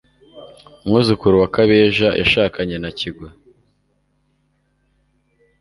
umwuzukuru wa kabeja yashakanye na kigwa